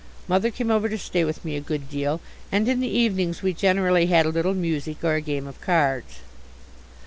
Mother came over to stay with me a good deal, and in the evenings we generally had a little music or a game of cards.